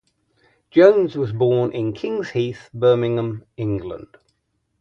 Jones was born in Kings Heath, Birmingham, England.